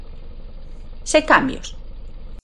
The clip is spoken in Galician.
Sen cambios.